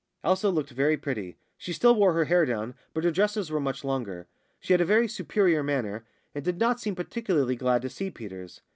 Elsa looked very pretty. She still wore her hair down, but her dresses were much longer. She had a very superior manner, and did not seem particularly glad to see Peters.